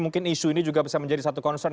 mungkin isu ini juga bisa menjadi satu concern